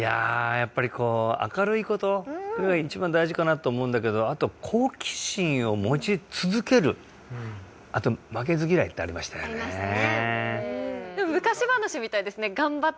やっぱりこう明るいことそれが一番大事かなと思うんだけどあとあと負けず嫌いってありましたねありましたね